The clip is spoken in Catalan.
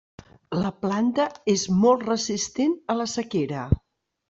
La planta és molt resistent a la sequera.